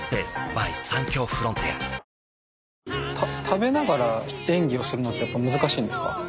食べながら演技をするのってやっぱ難しいんですか？